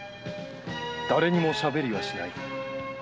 「誰にもしゃべりはしない」